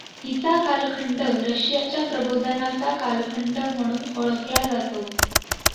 हिचा कालखंड रशियाच्या प्रबोधनाचा कालखंड म्हणून ओळखला जातो.